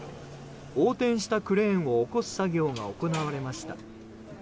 横転したクレーンを起こす作業が行われました。